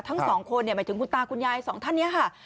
ทั้งสองคนหมายถึงคุณตาคุณยายสองท่านนี้ค่ะ